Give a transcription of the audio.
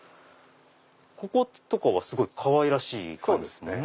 こことかはすごいかわいらしい感じですもんね。